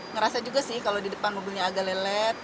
ngerasa juga sih kalau di depan mobilnya agak lelet